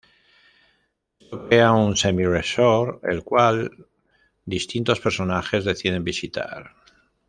Esto crea un semi-resort, el cual distintos personajes deciden visitar.